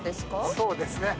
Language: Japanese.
そうですね。